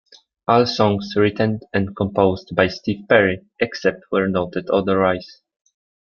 All songs written and composed by Steve Perry, except where noted otherwise.